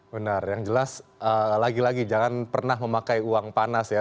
benar yang jelas lagi lagi jangan pernah memakai uang panas ya